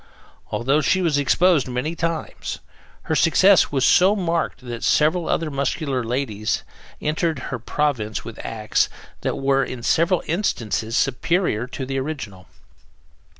Although she was exposed many times, her success was so marked that several other muscular ladies entered her province with acts that were, in several instances, superior to the original.